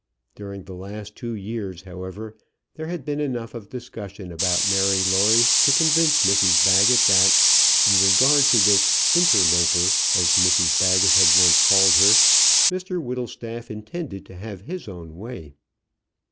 During the last two years, however, there had been enough of discussion about Mary Lawrie to convince Mrs Baggett that, in regard to this "interloper," as Mrs Baggett had once called her, Mr Whittlestaff intended to have his own way.